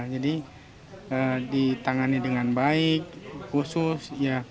jadi ditangani dengan baik khusus